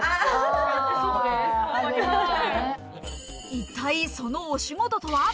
一体そのお仕事とは？